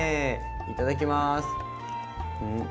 いただきます。